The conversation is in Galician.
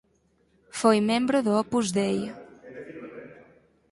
Foi membro do Opus Dei.